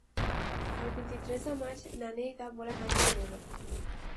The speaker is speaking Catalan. El vint-i-tres de maig na Neida vol anar al cinema.